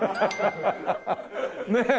ねえ？